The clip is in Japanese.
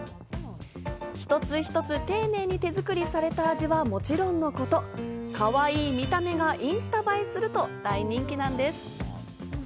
一つ一つ丁寧に手作りされた味はもちろんのこと、かわいい見た目がインスタ映えすると大人気なんです。